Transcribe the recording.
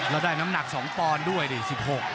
เราได้น้ำหนักสองปรนด้วยดิ๑๔